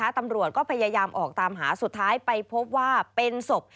ตำรวจก็พยายามออกตามหาสุดท้ายไปพบว่าเป็นศพ